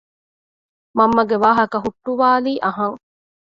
މަންމަގެ ވާހަކަ ހުއްޓުވާލީ އަހަން